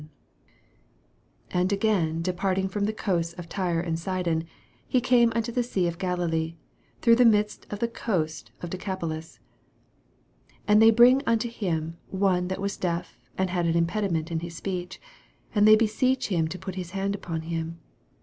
31 And again, departing from the coasts of Tyre and Sidon, be came unto the sea of Galilee, through the midst of the coasts of Decapolis. 32 And they bring unto him one that was deaf, and had an impediment in his speech ; and they beseech him to put his hand upon him.